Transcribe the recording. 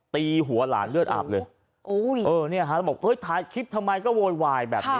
ตีหัวหลานเลือดอาบเลยโอ้ยเออเนี่ยฮะแล้วบอกเฮ้ยถ่ายคลิปทำไมก็โวยวายแบบนี้